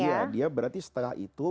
iya dia berarti setelah itu